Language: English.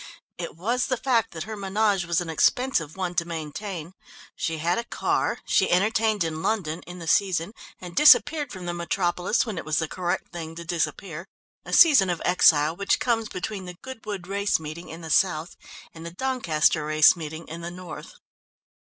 It was the fact that her menage was an expensive one to maintain; she had a car, she entertained in London in the season, and disappeared from the metropolis when it was the correct thing to disappear, a season of exile which comes between the Goodwood Race Meeting in the south and the Doncaster Race Meeting in the north.